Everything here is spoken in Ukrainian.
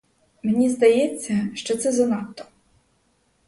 Мені здається, що це занадто.